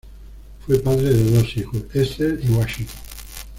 Fue padre de dos hijos: Esther y Washington.